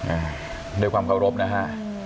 อ่าด้วยความเคารพนะฮะ